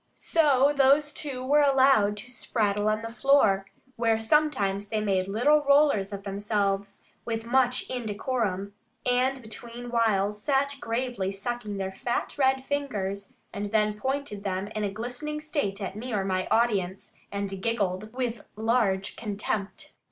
So those two were allowed to spraddle on the floor, where sometimes they made little rollers of themselves, with much indecorum, and between whiles sat gravely sucking their fat red fingers, and then pointed them in a glistening state at me or my audience, and giggled with a large contempt.